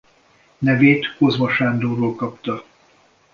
Nevét Kozma Sándorról kapta.